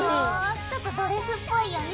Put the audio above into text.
ちょっとドレスっぽいよね。